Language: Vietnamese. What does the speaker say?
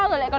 giả mù à